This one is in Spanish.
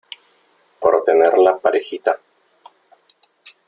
por tener la parejita .